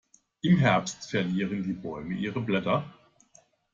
Im Herbst verlieren die Bäume ihre Blätter.